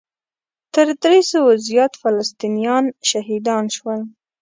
تر درې سوو زیات فلسطینیان شهیدان شول.